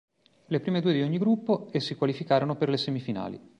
Le prime due di ogni gruppo e si qualificarono per le semifinali.